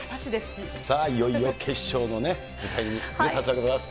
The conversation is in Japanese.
さあ、いよいよ決勝の舞台に立つわけでございます。